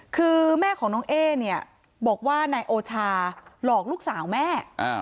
คือแม่ของน้องเอ๊เนี่ยบอกว่านายโอชาหลอกลูกสาวแม่